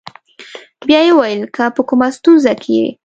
بیا یې وویل: که په کومه ستونزه کې یې.